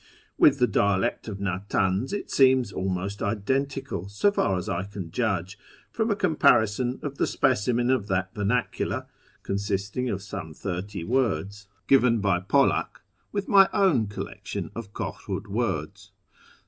With the dialect of Natanz it seems almost identical, so far as I can judge from a comparison of the specimen of that vernacular (consisting of some thirty words) given by Polak ^ with my own collection of Kohrud words.